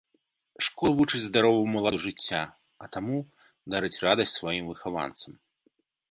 Школа вучыць здароваму ладу жыцця, а таму дарыць радасць сваім выхаванцам.